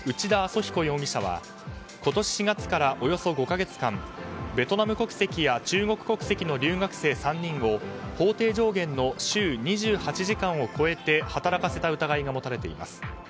ソ彦容疑者は今年４月から、およそ５か月間ベトナム国籍や中国国籍の留学生３人を法定上限の週２８時間を超えて働かせた疑いが持たれています。